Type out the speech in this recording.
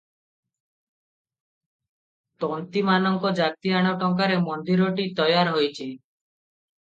ତନ୍ତୀମାନଙ୍କ ଜାତିଆଣ ଟଙ୍କାରେ ମନ୍ଦିରଟି ତୟାର ହୋଇଅଛି ।